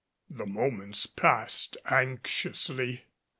The moments passed anxiously.